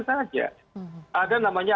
saja ada namanya